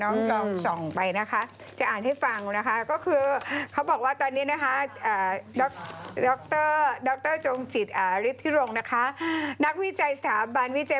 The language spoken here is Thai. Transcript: มีผู้สูงอายุมีอ๋อ